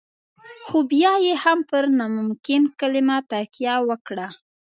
خو بيا يې هم پر ناممکن کلمه تکيه وکړه.